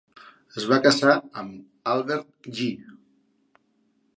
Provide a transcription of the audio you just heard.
Es va casar amb Albert Jee.